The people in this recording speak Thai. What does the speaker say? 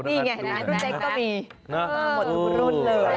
นี่ไงนะรุ่นเด็กก็มี